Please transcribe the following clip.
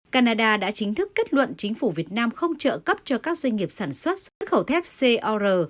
canada đã chính thức kết luận chính phủ việt nam không trợ cấp cho các doanh nghiệp sản xuất xuất khẩu thép c o r